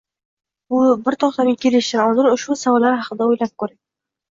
Bir to`xtamga kelishdan oldin ushbu savollar haqida o`ylab ko`ring